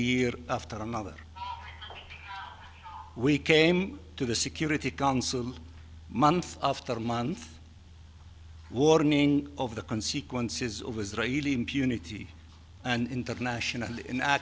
kami datang ke konsep keselamatan pemerintah setiap bulan untuk memberikan peringatan tentang konsekuensi kegagalan israel dan kegagalan internasional